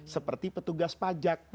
seperti petugas pajak